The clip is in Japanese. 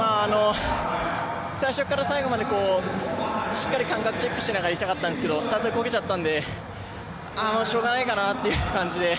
最初から最後までしっかり感覚チェックしながらいきたかったんですけどスタートでこけちゃったのでしょうがないかなって感じで。